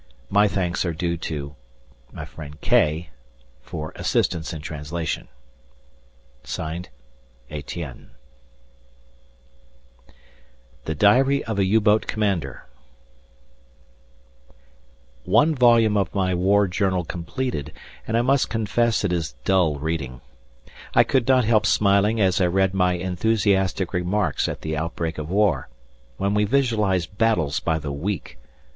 My thanks are due to K. for assistance in translation_. ETIENNE. The Diary of a U boat Commander One volume of my war journal completed, and I must confess it is dull reading. I could not help smiling as I read my enthusiastic remarks at the outbreak of war, when we visualized battles by the week.